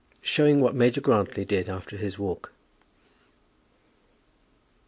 SHOWING WHAT MAJOR GRANTLY DID AFTER HIS WALK.